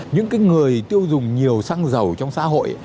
những cái người tiêu dùng nhiều xăng dầu trong xã hội